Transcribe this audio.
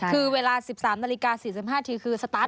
คือเวลา๑๓นาฬิกา๔๕นาทีคือสตาร์ท